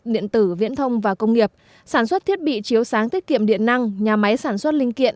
điện tử viễn thông và công nghiệp sản xuất thiết bị chiếu sáng tiết kiệm điện năng nhà máy sản xuất linh kiện